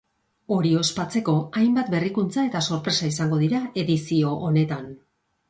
Hori ospatzeko, hainbat berrikuntza eta sorpresa izango dira edizio honetan.